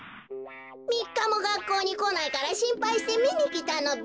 みっかもがっこうにこないからしんぱいしてみにきたのべ。